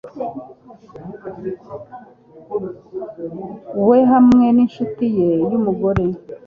we hamwe n'inshuti ye y'umugore